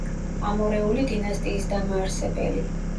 ამორეული დინასტიის დამაარსებელი.